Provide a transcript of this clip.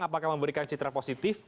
apakah memberikan citra positif